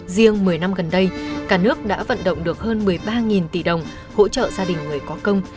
riêng một mươi năm gần đây cả nước đã vận động được hơn một mươi ba tỷ đồng hỗ trợ gia đình người có công